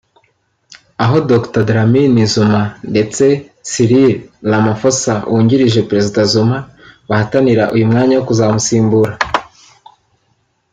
Aho Dr Dlamini-Zuma ndetse Cyril Ramaphosa wungirije Perezida Zuma bahatanira uyu mwanya wo kuzamusimbura